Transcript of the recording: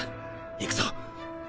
行くぞ。